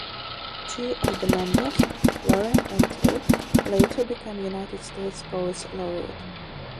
Two of the members (Warren and Tate) later became United States Poets Laureate.